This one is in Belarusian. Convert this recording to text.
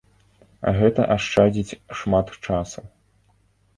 Гэта ашчадзіць шмат часу.